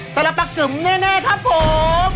สรรพกรรมแน่ครับผม